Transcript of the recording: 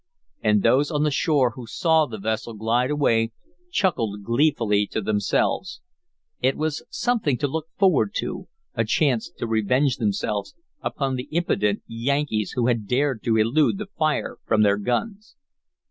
And those on the shore who saw the vessel glide away chuckled gleefully to themselves. It was something to look forward to, a chance to revenge themselves upon the impudent Yankees who had dared to elude the fire from their guns.